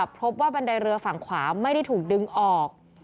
บันไดเรือฝั่งขวาไม่ได้ถูกดึงออก